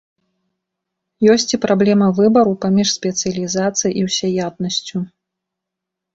Ёсць і праблема выбару паміж спецыялізацыяй і ўсяяднасцю.